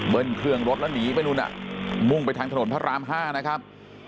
เครื่องรถแล้วหนีไปนู่นมุ่งไปทางถนนพระราม๕นะครับ